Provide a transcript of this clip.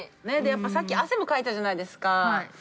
さっき汗もかいたじゃないですか。